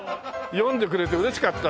読んでくれて嬉しかった。